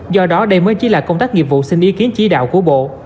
do đó đây mới chỉ là công tác nghiệp vụ xin ý kiến chỉ đạo của bộ